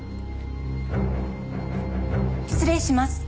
失礼します。